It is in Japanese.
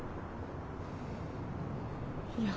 いや。